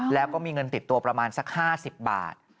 แล้วก็มีเงินติดตัวประมาณสัก๕๐บาท